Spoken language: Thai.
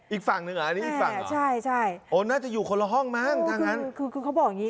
อีกฝั่งหนึ่งเหรอน่าจะอยู่คนละห้องมั้ง